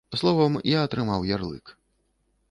Словам, я атрымаў ярлык.